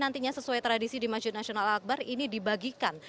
jadi nantinya sesuai tradisi di masjid nasional al aqbar ini dibagikan